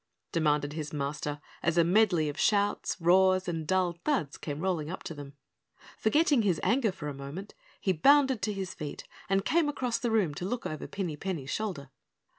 demanded his Master, as a medley of shouts, roars, and dull thuds came rolling up to them. Forgetting his anger for a moment, he bounded to his feet and came across the room to look over Pinny Penny's shoulder.